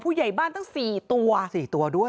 ผู้ใหญ่บ้านตั้ง๔ตัว